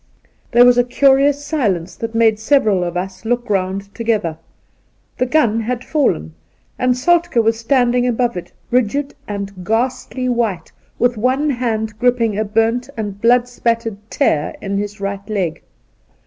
There was a curious silence that made several of us look round together. The gun had fallen, and Soltke 6t Soltk^ was standing above it, rigid and ghastly white, with one hand gripping a burnt and blood spattered tear in his right leg.